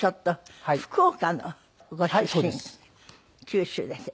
九州です。